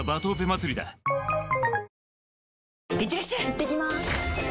いってきます！